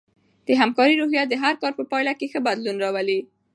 د همکارۍ روحیه د هر کار په پایله کې ښه بدلون راوړي.